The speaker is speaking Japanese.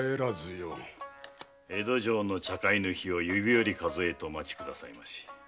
江戸城の茶会の日を指折り数えてお待ちくださいまし。